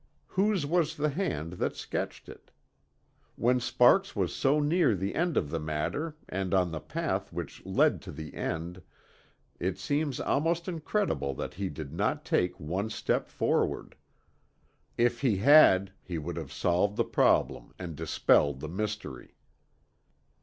Whose was the hand that sketched it? When Sparks was so near the end of the matter and on the path which led to the end, it seems almost incredible that he did not take one step forward. If he had he would have solved the problem and dispelled the mystery.